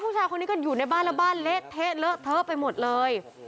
ผู้ชายคนนี้ก็อยู่ในบ้านแล้วบ้านเละเทะเลอะเทอะไปหมดเลย